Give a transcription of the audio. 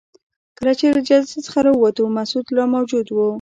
کله چې له جلسې څخه راووتو مسعود لا موجود وو.